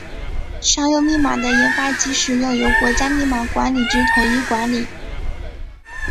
商用密码的研发及使用由国家密码管理局统一管理。